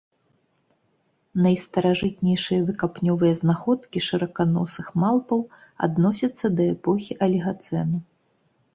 Найстаражытнейшыя выкапнёвыя знаходкі шыраканосых малпаў адносяцца да эпохі алігацэну.